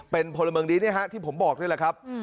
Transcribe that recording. เป็นพลเมิงดีนะครับที่ผมบอกด้วยแหละครับ